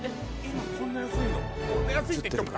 今こんな安いの？